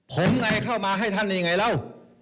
ผมไงข้าวมาให้ท่านเองแล้ว